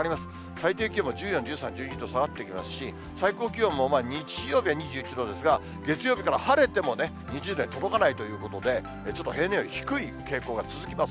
最低気温も１４、１３、１２と下がってきますし、最高気温も、日曜日は２１度ですが、月曜日から晴れてもね、２０度に届かないということで、ちょっと平年より低い傾向が続きます。